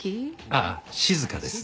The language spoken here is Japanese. ああ静です。